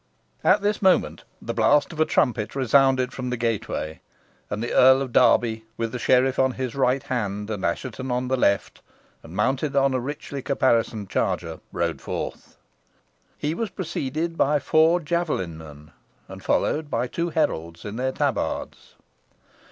At this moment the blast of a trumpet resounded from the gateway, and the Earl of Derby, with the sheriff on his right hand, and Assheton on the left, and mounted on a richly caparisoned charger, rode forth. He was preceded by four javelin men, and followed by two heralds in their tabards.